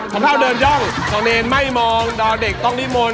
หัวเท่าเดินย่องฐานเลนแม่มอมตอเด็กต้องลิมน